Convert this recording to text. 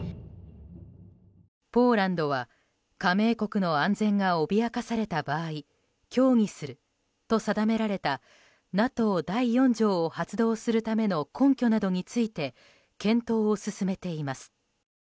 ポーランドは加盟国の安全が脅かされた場合協議すると定められたＮＡＴＯ第４条を発動するための根拠などについて検討を進めています。